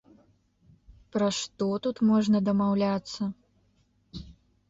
Пра што тут можна дамаўляцца?